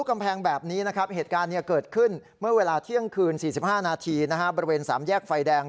เมื่อเวลาเที่ยงคืนสี่สิบห้านาทีนะฮะบริเวณสามแยกไฟแดง